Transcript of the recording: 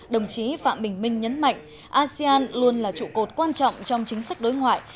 đồng chí phạm bình minh nhấn mạnh asean luôn là trụ cột quan trọng trong chính sách đối ngoại